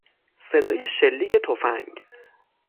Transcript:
صدای شلیک تفنگ